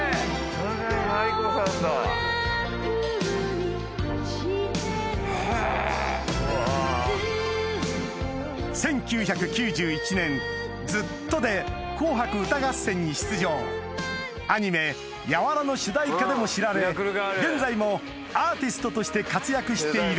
ずっと１９９１年『ＺＵＴＴＯ』で『紅白歌合戦』に出場アニメ『ＹＡＷＡＲＡ！』の主題歌でも知られ現在もアーティストとして活躍している